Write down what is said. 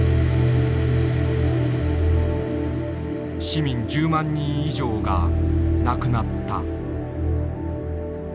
市民１０万人以上が亡くなった。